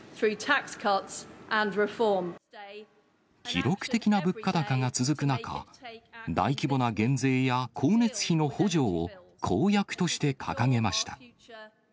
記録的な物価高が続く中、大規模な減税や光熱費の補助を公約として掲げました。